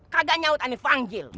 kagak nyautan di panggil